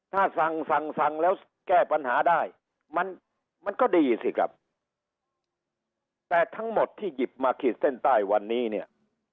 ถ้าฟังฟังฟังแล้วแก้ปัญหาได้มันมันก็ดีสิครับแต่ทั้งหมดที่หยิบมาขีดเส้นใต้วันนี้เนี่ย